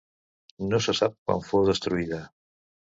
No se sap quan fou destruïda.